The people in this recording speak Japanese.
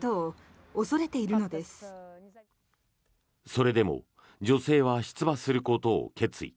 それでも女性は出馬することを決意。